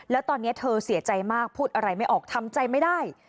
แล้วตอนนี้เธอเสียใจมากพูดอะไรไม่ออกทำใจไม่ได้